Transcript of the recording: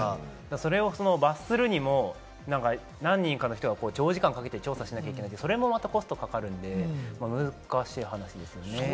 それを罰するにも、何人かの人が長時間かけて調査しないといけない、それもまたコストがかかるので、難しい話ですよね。